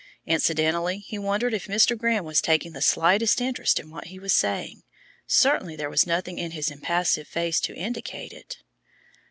Incidentally he wondered if Mr. Grimm was taking the slightest interest in what he was saying. Certainly there was nothing in his impassive face to indicate it.